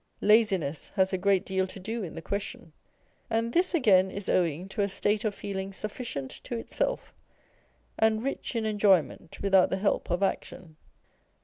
1 Laziness has a great deal to do in the question, and this again is owing to a state of feeling sufficient to itself, and rich in enjoyment without the help of action.